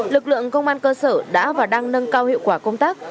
lực lượng công an cơ sở đã và đang nâng cao hiệu quả công tác